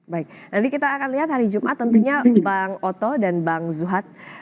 baik nanti kita akan lihat hari jumat tentunya bang oto dan bang zuhad